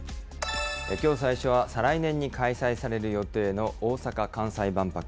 きょう最初は、再来年に開催される予定の大阪・関西万博。